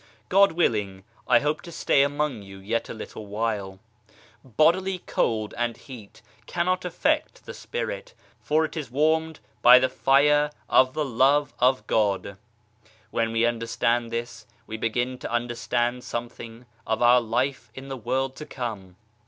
God willing, I hope to stay among you yet a little while ; bodily cold and heat cannot affect the Spirit, for it is wanned by the Fire of the Love of God. When we understand this, we begin to understand something of our life in the world to come.